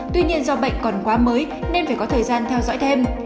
tuy nhiên do bệnh còn quá mới nên phải có thời gian theo dõi thêm